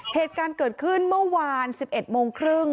เหตุการณ์เกิดขึ้นเมื่อวาน๑๑โมงครึ่ง